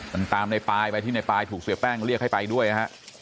มันตามในปายไปที่ในปลายถูกเสียแป้งเรียกให้ไปด้วยนะฮะ